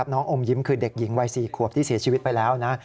น้องอมยิ้มคือเด็กหญิงวัย๔ขวบที่เสียชีวิตไปแล้วนะ